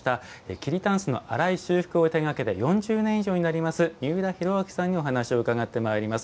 桐たんすの洗い・修復を手がけて４０年以上になります三浦弘晃さんにお話を伺ってまいります。